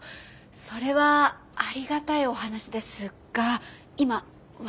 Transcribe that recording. それはありがたいお話ですが今割と忙しくて。